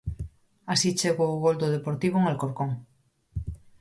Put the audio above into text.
Así chegou o gol do Deportivo en Alcorcón.